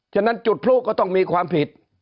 ฉะนั้นจุดพลุก็ต้องมีความผิด